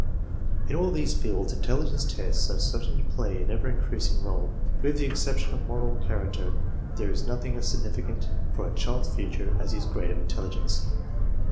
In all these fields intelligence tests are certain to play an ever increasing r61e. With the exception of moral charac ter, there is nothing as significant for a child's future as his grade of intelligence.